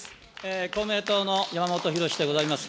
公明党の山本博司でございます。